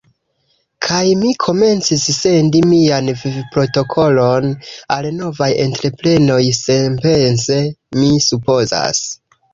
Kaj mi komencis sendi mian vivprotokolon al novaj entreprenoj, senpense, mi supozas.